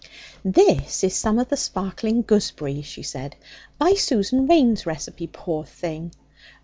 'This is some of the sparkling gooseberry,' she said, 'by Susan Waine's recipe, poor thing!